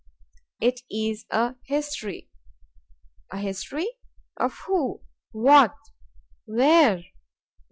—It is a history.—A history! of who? what? where?